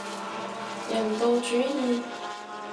人道主義